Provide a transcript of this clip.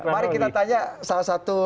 mari kita tanya salah satu